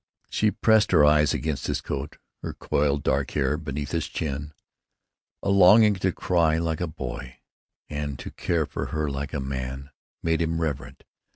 She pressed her eyes against his coat, her coiled dark hair beneath his chin. A longing to cry like a boy, and to care for her like a man, made him reverent.